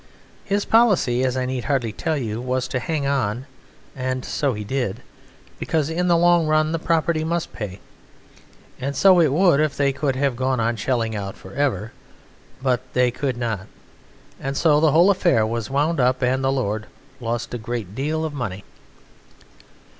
His policy, as I need hardly tell you, was to hang on, and so he did, because in the long run the property must pay. And so it would if they could have gone on shelling out for ever, but they could not, and so the whole affair was wound up and the lord lost a great deal of money.